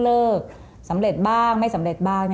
เลิกสำเร็จบ้างไม่สำเร็จบ้าง